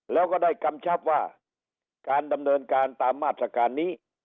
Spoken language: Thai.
แล้วก็ได้กำชับว่าการดำเนินการตามมาตรการนี้